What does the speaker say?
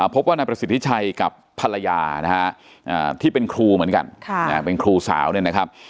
พบว่านายประสิทธิชัยกับภรรยานะฮะที่เป็นครูเหมือนกันเป็นครูสาวเนี่ยนะครับ